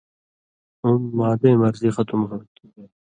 ہُم معدَیں مرضی ختم ہوں تھی۔